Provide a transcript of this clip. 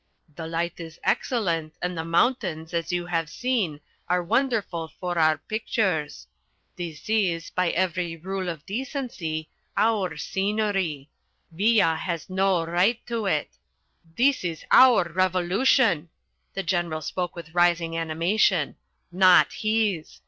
The light is excellent and the mountains, as you have seen, are wonderful for our pictures. This is, by every rule of decency, our scenery. Villa has no right to it. This is our Revolution" the General spoke with rising animation "not his.